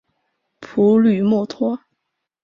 普吕默托。